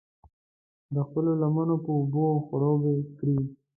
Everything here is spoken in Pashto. د خپلو لېمو په اوبو خړوب کړي.